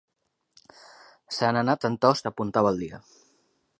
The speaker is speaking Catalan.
Se n'anà tantost apuntava el dia.